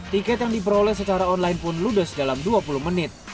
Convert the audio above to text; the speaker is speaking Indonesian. tiket yang diperoleh secara online pun ludes dalam dua puluh menit